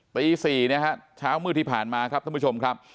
ตี๔นะฮะเช้ามืดที่ผ่านมาครับท่านผู้ชมครับ